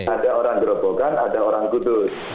ada orang gerobokan ada orang gudus